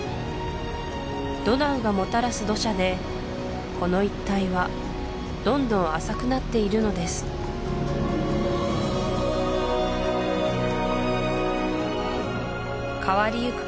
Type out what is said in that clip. ドナウがもたらす土砂でこの一帯はどんどん浅くなっているのです変わりゆく